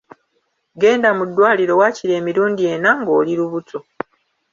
Genda mu ddwaliro waakiri emirundi ena ng’oli lubuto.